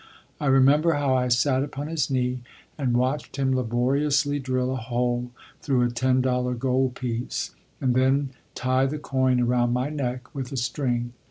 I remember how I sat upon his knee and watched him laboriously drill a hole through a ten dollar gold piece, and then tie the coin around my neck with a string.